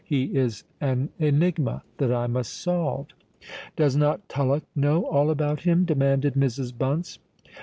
He is an enigma that I must solve." "Does not Tullock know all about him?" demanded Mrs. Bunce.